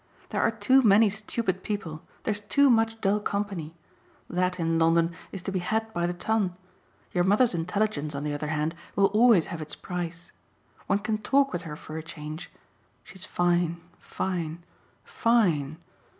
There are too many stupid people there's too much dull company. That, in London, is to be had by the ton; your mother's intelligence, on the other hand, will always have its price. One can talk with her for a change. She's fine, fine, fine.